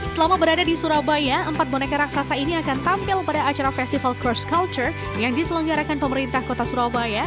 selama berada di surabaya empat boneka raksasa ini akan tampil pada acara festival cross culture yang diselenggarakan pemerintah kota surabaya